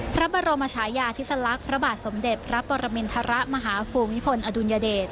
พระบรมชายาธิสลักษณ์พระบาทสมเด็จพระปรมินทรมาฮภูมิพลอดุลยเดช